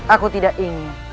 aku tidak ingin